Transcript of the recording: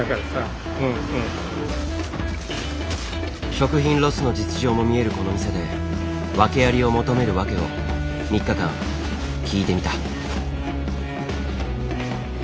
食品ロスの実情も見えるこの店でワケありを求めるワケを３日間聞いてみた。